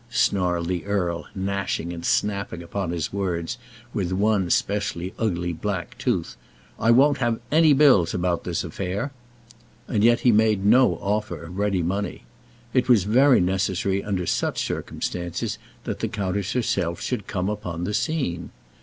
snarled the earl, gnashing and snapping upon his words with one specially ugly black tooth. "I won't have any bills about this affair." And yet he made no offer of ready money. It was very necessary under such circumstances that the countess herself should come upon the scene.